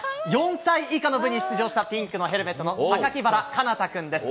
４歳以下の部に出場したピンクのヘルメットの、榊原幹大くんです。